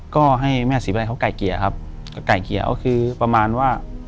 ก็ให้แม่สิบอะไรเขาไก่เกียร์ครับไก่เกียร์ก็คือประมาณว่า